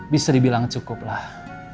bisa dibilang cukuplah